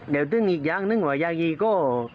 แล้วต้องให้อย่างนึงว่าอย่าก็